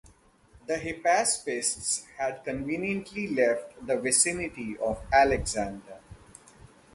The Hypaspists had conveniently left the vicinity of Alexander.